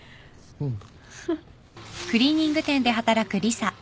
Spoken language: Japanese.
うん。